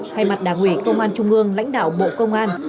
thay mặt đảng ủy công an trung ương lãnh đạo bộ công an